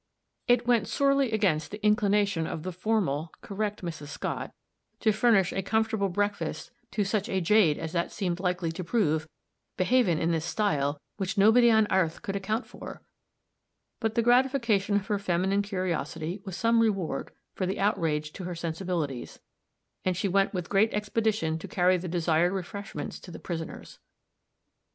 It went sorely against the inclination of formal, correct Mrs. Scott, to furnish a comfortable breakfast to "such a jade as that seemed likely to prove; behavin' in this style, which nobody on 'arth could account for;" but the gratification of her feminine curiosity was some reward for the outrage to her sensibilities, and she went with great expedition to carry the desired refreshments to the prisoners.